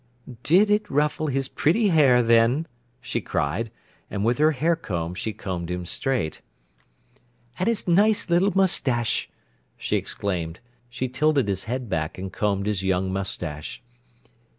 "Did it ruffle his pretty hair, then!" she cried; and, with her hair comb, she combed him straight. "And his nice little moustache!" she exclaimed. She tilted his head back and combed his young moustache.